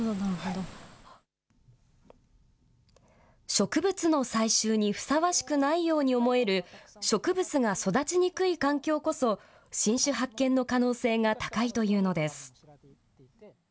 植物の採集にふさわしくないように思える、植物が育ちにくい環境こそ、新種発見の可能性が高いというのです。